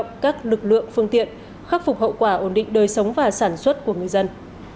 khắc phục hậu quả ổn định đời sống và sản xuất của người dân